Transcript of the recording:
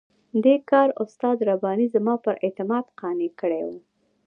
دې کار استاد رباني زما پر اعتماد قانع کړی وو.